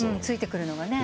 ついてくるのが。